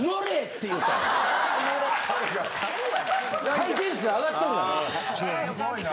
回転数あがっとるがな！